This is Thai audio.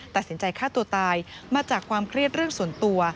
ตัดสินใจฆ่าตัวตายมาจากความเครียดเรื่องส่วนตัว